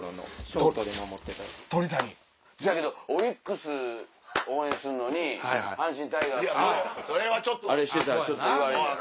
そやけどオリックス応援すんのに阪神タイガースのあれしてたらちょっと言われるやろ？